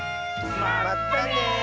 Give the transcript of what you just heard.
まったね！